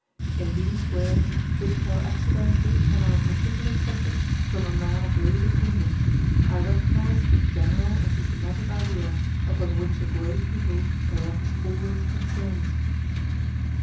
In these words, which fell accidentally and on a particular subject from a man of rude attainments, I recognize the general and systematic idea upon which a great people directs all its concerns.